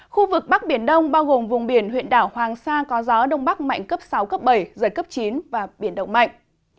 khu vực bắc biển đông bao gồm vùng biển huyện đảo hoàng sa có gió đông bắc mạnh cấp sáu cấp bảy giật cấp chín và biển động mạnh